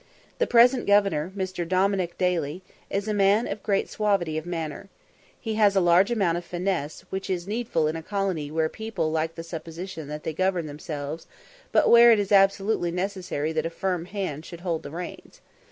The present governor, Mr. Dominick Daly, is a man of great suavity of manner. He has a large amount of finesse, which is needful in a colony where people like the supposition that they govern themselves, but where it is absolutely necessary that a firm hand should hold the reins.